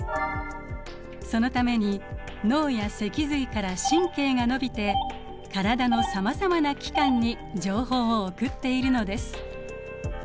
そのために脳や脊髄から神経が伸びて体のさまざまな器官に情報を送っているのです。